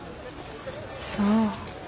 そう。